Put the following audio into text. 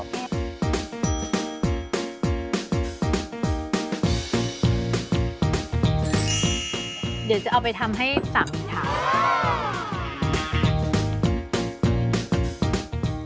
เดี๋ยวจะเอาไปทำให้สามอีกครั้ง